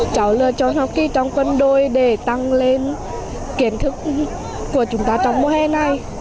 cháu lựa chọn học kỳ trong quân đội để tăng lên kiến thức của chúng ta trong mùa hè này